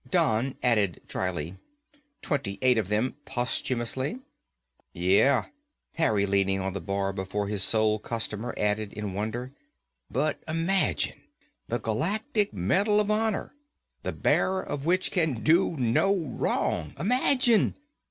Don added dryly, "Twenty eight of them posthumously." "Yeah." Harry, leaning on the bar before his sole customer, added in wonder, "But imagine. The Galactic Medal of Honor, the bearer of which can do no wrong. Imagine.